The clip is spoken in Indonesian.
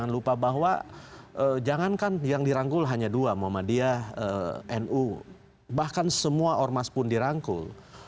lupa bahwa jangankan yang dirangkul hanya dua muhammadiyah nu bahkan semua ormas pun dirangkul